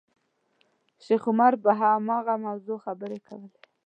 شیخ عمر پر هماغه موضوع خبرې کولې.